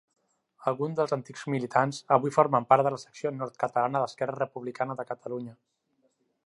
Alguns dels antics militants avui formen part de la secció nord-catalana d'Esquerra Republicana de Catalunya.